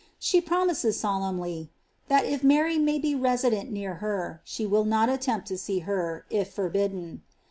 She promises solemnly. ^^ that if Mary may be resident near her, she will not attempt to see her, if forbidden."